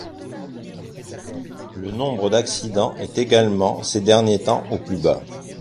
Le nombre d’accidents est également ces derniers temps au plus bas.